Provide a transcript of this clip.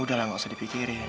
udahlah gak usah dipikirin